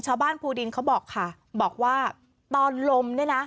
ชาวบ้านภูดินเขาบอกค่ะบอกว่าตอนลมเนี่ยนะ